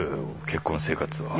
結婚生活は